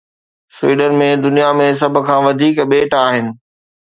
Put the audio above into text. Sweden ۾ دنيا ۾ سڀ کان وڌيڪ ٻيٽ آهن